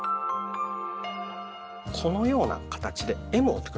このような形でＭを作るんですね。